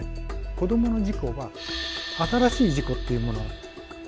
子どもの事故は新しい事故っていうものはありません。